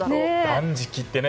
断食ってね。